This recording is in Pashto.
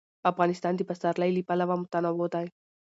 افغانستان د پسرلی له پلوه متنوع دی.